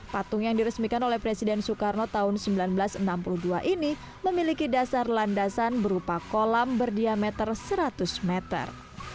patung yang diresmikan oleh presiden soekarno tahun seribu sembilan ratus enam puluh dua ini memiliki dasar landasan berupa kolam berdiameter seratus meter